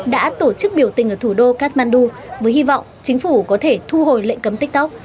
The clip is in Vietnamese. đã tổ chức biểu tình ở thủ đô kathmandu với hy vọng chính phủ có thể thu hồi lệnh cấm tiktok